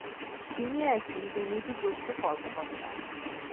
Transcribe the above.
তিনি একজন দুর্নীতিগ্রস্ত কর্মকর্তা।